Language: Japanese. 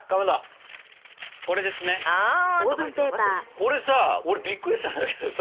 これさ俺びっくりしたんだけどさ。